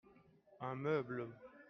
Un meuble.